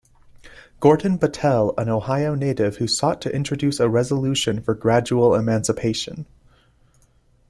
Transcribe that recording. Gordon Battelle, an Ohio native who sought to introduce a resolution for gradual emancipation.